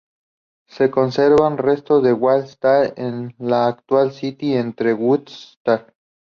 Se conservan restos en Wall St., en la actual City, entre Wood St.